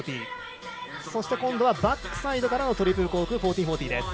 そして、今度はバックサイドからトリプルコーク１４４０。